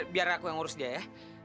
biar aku yang ngurus dia ya